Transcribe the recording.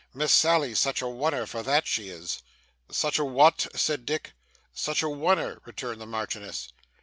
'Miss Sally's such a one er for that, she is.' 'Such a what?' said Dick. 'Such a one er,' returned the Marchioness.